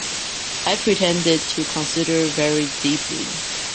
I pretended to consider very deeply.